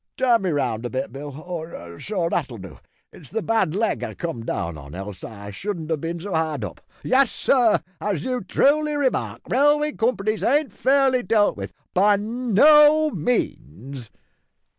Turn me round a bit, Bill; so, that'll do. It's the bad leg I come down on, else I shouldn't have bin so hard up. Yes, sir, as you truly remark, railway companies ain't fairly dealt with, by no means."